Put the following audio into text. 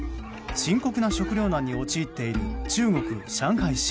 深刻な食糧難に陥っている中国・上海市。